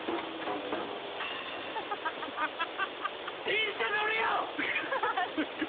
電車乗れよ！